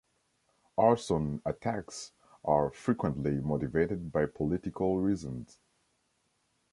Arson attacks are frequently motivated by political reasons.